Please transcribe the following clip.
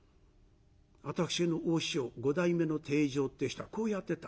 私の大師匠五代目の貞丈っていう人はこうやってた。